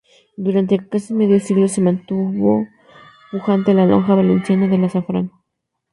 Durante casi medio siglo se mantuvo pujante la lonja valenciana del azafrán.